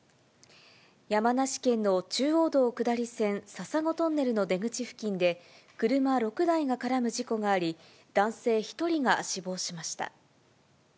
山梨県の中央道下り線、笹子トンネルの出口付近で、車６台が絡む事故があり、男性１人が死亡しました。